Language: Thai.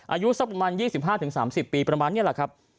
อายุสักประมาณ๒๕๓๐ปีประมาณนี้แหละครับ